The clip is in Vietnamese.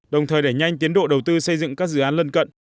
đồng thời đẩy nhanh tiến độ đầu tư xây dựng các dự án lân cận